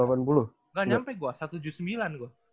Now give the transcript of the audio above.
enggak nyampe gua satu ratus tujuh puluh sembilan gua